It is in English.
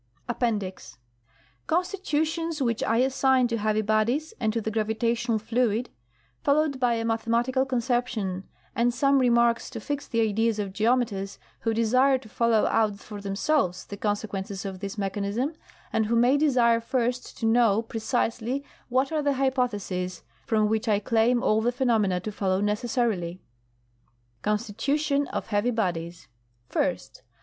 © APPENDIX. | Constitutions which I assign to heavy bodies and to the gravitational fluid; followed by a mathematical conception and some remarks to fix the ideas of geometers who desire to follow out for themselves the con sequences of this mechanism, and who may desire first to know pre cisely what are the hypotheses from which I claim all the phenomena to follow necessarily. 158 THE THEORY OF GRAVITATION. CONSTITUTION OF HEAVY BODIES. First.